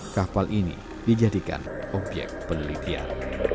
kapal ini dijadikan obyek penelitian